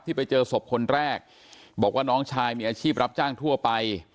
ไปเจอศพคนแรกบอกว่าน้องชายมีอาชีพรับจ้างทั่วไป